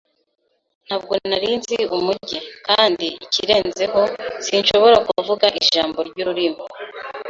Ntabwo nari nzi umujyi, kandi ikirenzeho, sinshobora kuvuga ijambo ryururimi.